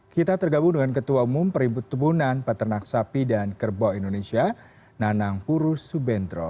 kita tergabung dengan ketua umum peribut tebunan peternak sapi dan kerbau indonesia nanang purus subendro